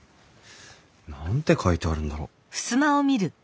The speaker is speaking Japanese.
何て書いてあるんだろう。